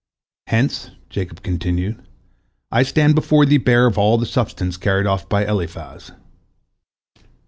Hence," Jacob continued, "I stand before thee bare of all the substance carried off by Eliphaz."